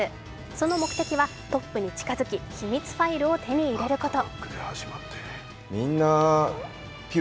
その目的は、トップに近づき秘密ファイルを手に入れること。